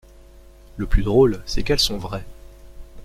Le plus drôle, c'est qu'elles sont vraies.